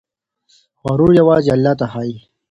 غرور يوازې الله ته ښايي.